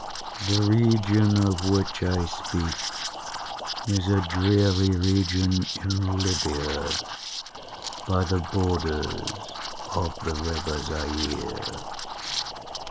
"The region of which I speak is a dreary region in Libya, by the borders of the river Zaire.